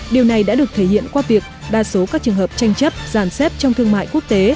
điều này đã được thể hiện qua việc đa số các trường hợp tranh chấp giàn xếp trong thương mại quốc tế